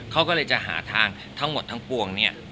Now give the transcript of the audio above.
เขาก็เลยจะหาทางทั้งหมดทั้งปวงเนี่ย